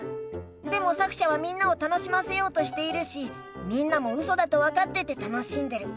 でもさくしゃはみんなを楽しませようとしているしみんなもウソだと分かってて楽しんでる。